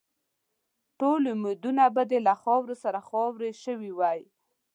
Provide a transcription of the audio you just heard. ټول امیدونه به دې له خاورو سره خاوري شوي وای.